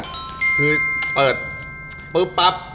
คือเปิดปุ๊บปั๊บ